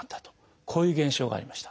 こういう現象がありました。